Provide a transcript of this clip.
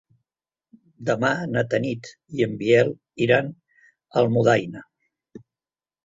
Demà na Tanit i en Biel iran a Almudaina.